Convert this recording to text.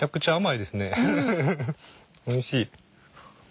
おいしい。